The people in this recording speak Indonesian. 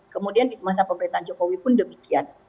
kemudian di masa pemerintahan jokowi pun demikian